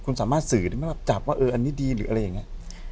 คุณสามารถสื่อได้ไหมล่ะจับว่าเอออันนี้ดีหรืออะไรอย่างนี้